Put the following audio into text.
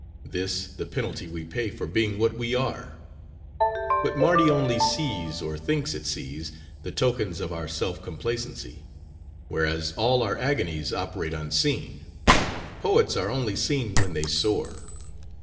This, the penalty we pay for being what we are. But Mardi only sees, or thinks it sees, the tokens of our self complacency: whereas, all our agonies operate unseen. Poets are only seen when they soar."